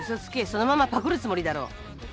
そのままパクるつもりだろ。